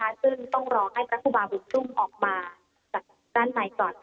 เราคือต้องรอให้พระครูบาฑุกตุ้งออกมาจากด้านในก่อน